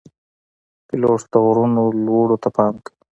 پیلوټ د غرونو لوړو ته پام کوي.